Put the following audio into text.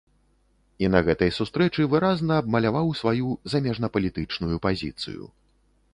І на гэтай сустрэчы выразна абмаляваў сваю замежнапалітычную пазіцыю.